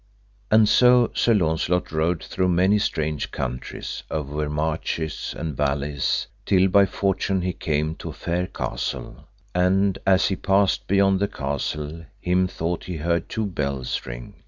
And so Sir Launcelot rode through many strange countries, over marshes and valleys, till by fortune he came to a fair castle, and as he passed beyond the castle him thought he heard two bells ring.